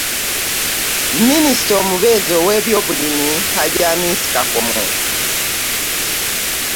Minisita omubeezi ow'ebyobulimi, Hajji Amisi Kakoma